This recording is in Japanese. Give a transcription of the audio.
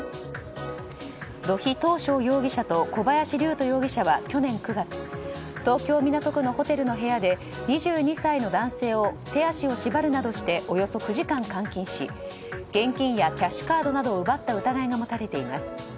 土肥斗晶容疑者と小林龍斗容疑者は去年９月東京・港区のホテルの部屋で２２歳の男性の手足を縛るなどしておよそ９時間監禁し現金やキャッシュカードなどを奪った疑いが持たれています。